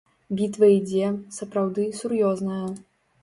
Бітва ідзе, сапраўды, сур'ёзная.